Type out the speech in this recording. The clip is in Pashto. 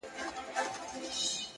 څنگه دي هېره كړمه _